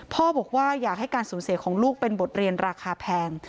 พ่อบอกว่าอยากให้การสูญเสียของลูกเป็นบทเรียนราคาแพง